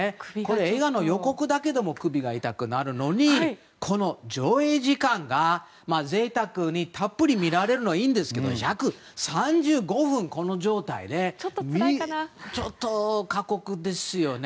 映画の予告だけでも首が痛くなるのにこの上映時間が贅沢にたっぷり見られるのはいいですが１３５分この状態でちょっと過酷ですよね。